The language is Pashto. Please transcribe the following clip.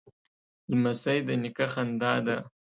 لمسی د نیکه خندا ده.